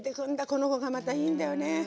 この子がまたいいんだよね。